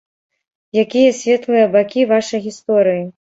Якія светлыя бакі вашай гісторыі?